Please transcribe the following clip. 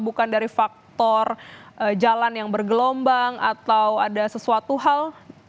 bukan dari faktor jalan yang bergelombang atau ada sesuatu hal